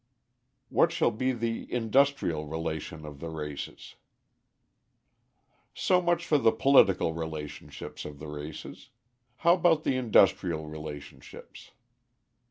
What Shall Be the Industrial Relation of the Races? So much for the political relationships of the races. How about the industrial relationships?